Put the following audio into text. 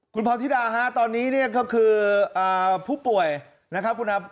คุณพรธิดาฮะตอนนี้เนี่ยก็คือผู้ป่วยนะครับคุณอา